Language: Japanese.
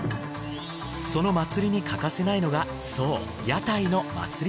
その祭りに欠かせないのがそう屋台の祭り